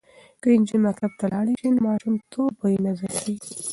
که نجونې مکتب ته لاړې شي نو ماشوم توب به یې نه ضایع کیږي.